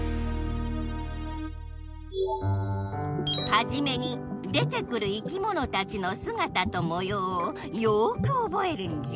はじめに出てくるいきものたちのすがたともようをよくおぼえるんじゃ。